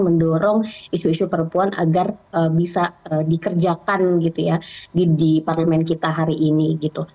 mendorong isu isu perempuan agar bisa dikerjakan gitu ya di parlemen kita hari ini gitu